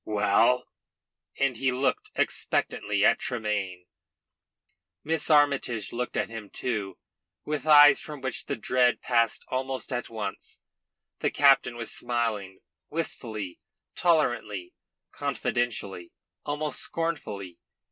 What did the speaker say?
Well?" And he looked expectantly at Tremayne. Miss Armytage looked at him too, with eyes from which the dread passed almost at once. The captain was smiling, wistfully, tolerantly, confidently, almost scornfully.